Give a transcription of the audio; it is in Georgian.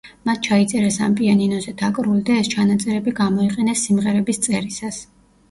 მათ ჩაიწერეს ამ პიანინოზე დაკრული და ეს ჩანაწერები გამოიყენეს სიმღერების წერისას.